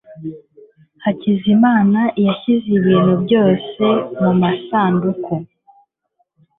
hakizamana yashyize ibintu byose mumasanduku.